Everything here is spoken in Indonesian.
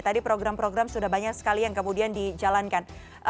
tadi program program sudah banyak sekali yang kemudian dijalankan